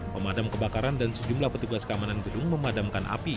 pemadam kebakaran dan sejumlah petugas keamanan gedung memadamkan api